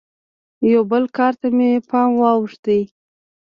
یوه بل کار ته مې پام واوښت.